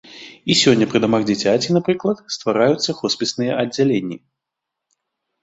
І сёння пры дамах дзіцяці, напрыклад, ствараюцца хоспісныя аддзяленні.